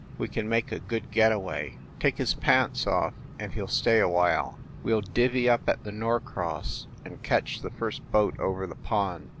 ... We can make a good get away ... take his pants off, and he ll stay awhile. ... We ll divvy up at the Norcross, and catch the first boat over the pond."